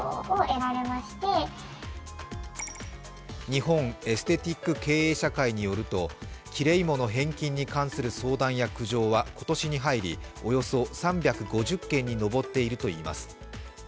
日本エステティック経営者会によると、キレイモの返金に関する相談や苦情は今年に入りおよそ３５０件に上っているといいます。